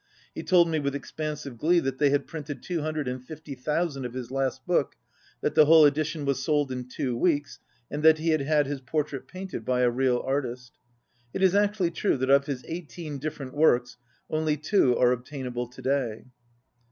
He told me with expan sive glee that they had printed two hundred and fifty thousand of his last book, that the whole edition was sold in two weeks, and that he had had 51 his portrait painted by a real artist. It is actually true that of his eighteen different works, only two are obtainable to day.